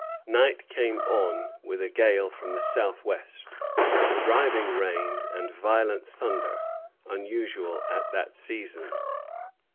Night came on, with a gale from the southeast, a driving rain, and violent thunder, unusual at that season.